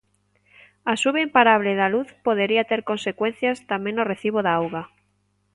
A suba imparable da luz podería ter consecuencias tamén no recibo da auga.